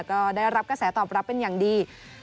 ก็ได้รับกระแสตอบรับเป็นอย่างดี